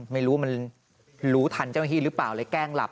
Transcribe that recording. ไม่รู้มันรู้ทันเจ้าหน้าที่หรือเปล่าเลยแกล้งหลับ